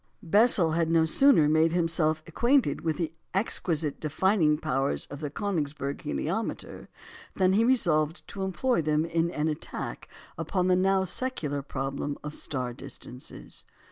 Bessel had no sooner made himself acquainted with the exquisite defining powers of the Königsberg heliometer, than he resolved to employ them in an attack upon the now secular problem of star distances.